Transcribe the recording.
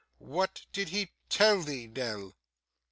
What did he tell thee, Nell?